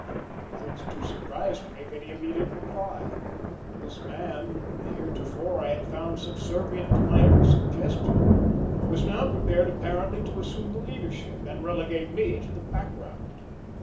I was too surprised to make any immediate reply. This man, whom heretofore I had found subservient to my every suggestion, was now prepared apparently to assume the leadership and relegate me to the background.